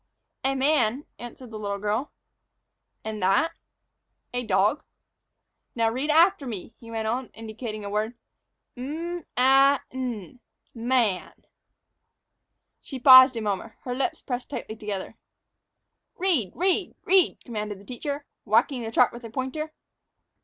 "A man," answered the little girl. "And that?" "A dog." "Now read after me," he went on, indicating a word, "'M a n, man.'" She paused a moment, her lips pressed tightly together. "Read, read, read!" commanded the teacher, whacking the chart with a pointer.